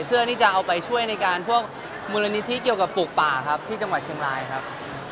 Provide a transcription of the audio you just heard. เพื่อที่จะเอาไปช่วยในการพวกมูลนิธิเกี่ยวกับปลูกป่าครับที่จังหวัดเชียงรายครับ